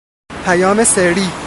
پیام سری